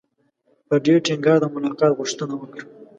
په ډېر ټینګار د ملاقات غوښتنه وکړه.